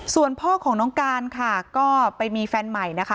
ส่วนพ่อของน้องการค่ะก็ไปมีแฟนใหม่นะคะ